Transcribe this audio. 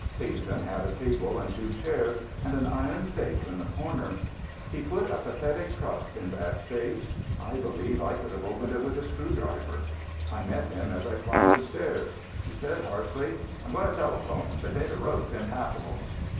Hazen had a table and two chairs, and an iron safe in the corner. He put a pathetic trust in that safe. I believe I could have opened it with a screwdriver. I met him as I climbed the stairs. He said harshly: "I'm going to telephone. They say the road's impassable."